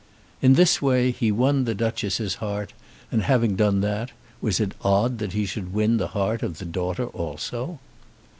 In this way he won the Duchess's heart, and having done that, was it odd that he should win the heart of the daughter also?